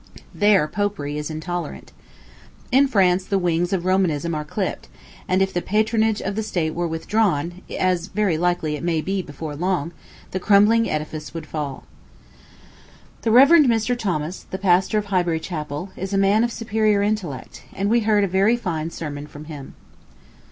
There Popery is intolerant. In France the wings of Romanism are clipped; and if the patronage of the state were withdrawn, as very likely it may before long, the crumbling edifice would fall. The Rev. Mr. Thomas, the pastor of Highbury Chapel, is a man of superior intellect, and we heard a very fine sermon from him.